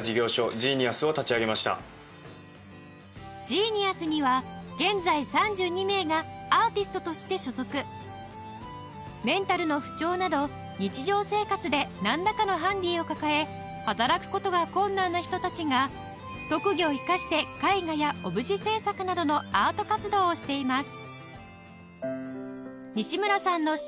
ＧＥＮＩＵＳ には現在３２名がアーティストとして所属メンタルの不調など日常生活でなんらかのハンディを抱え働く事が困難な人たちが特技を生かして絵画やオブジェ制作などのアート活動をしています